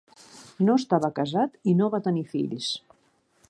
No estava casat i no va tenir fills.